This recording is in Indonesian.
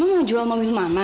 mama mau jual mobil mama